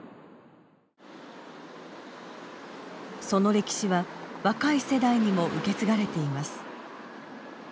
その歴史は、若い世代にも受け継がれています。